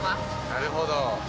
なるほど。